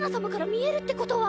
見えるってことは。